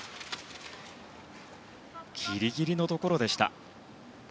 ギリギリのところでした。